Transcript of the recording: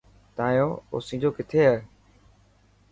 تايون اوسينجو ڪٿي هي.